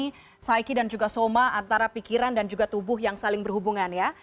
ini saiki dan juga soma antara pikiran dan juga tubuh yang saling berhubungan ya